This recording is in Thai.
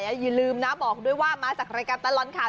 อย่าลืมนะบอกด้วยว่ามาจากรายการตลอดข่าว